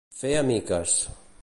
Fer a miques.